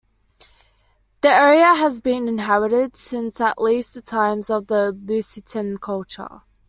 The area has been inhabited since at least the times of the Lusatian culture.